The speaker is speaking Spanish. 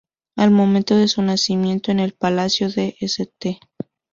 Al momento de su nacimiento en el Palacio de St.